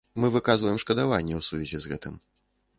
Мы выказваем шкадаванне ў сувязі з гэтым.